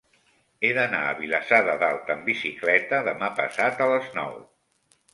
He d'anar a Vilassar de Dalt amb bicicleta demà passat a les nou.